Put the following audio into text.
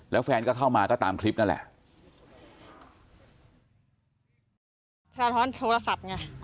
เมื่อคำถามแรก